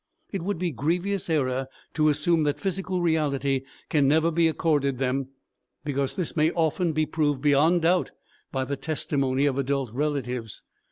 It would be a grievous error to assume that physical reality can never be accorded them; this may often be proved beyond doubt by the testimony of adult relatives.